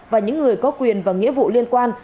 và những người có quyền và nghĩa vụ liên quan